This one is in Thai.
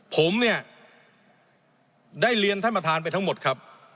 ผมเนี่ยได้เรียนท่านประธานไปทั้งหมดครับ